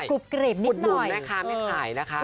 กุบกรีบนิดหน่อย